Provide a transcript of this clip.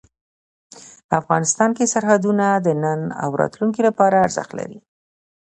افغانستان کې سرحدونه د نن او راتلونکي لپاره ارزښت لري.